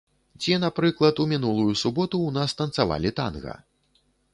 Ці, напрыклад, у мінулую суботу ў нас танцавалі танга.